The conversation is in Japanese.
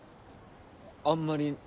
あんまり。